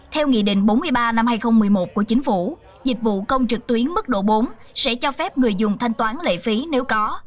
theo nghị định bốn mươi ba năm hai nghìn một mươi một của chính phủ dịch vụ công trực tuyến mức độ bốn sẽ cho phép người dùng thanh toán lệ phí nếu có